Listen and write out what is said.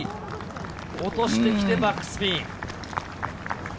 落としてきてバックスピン。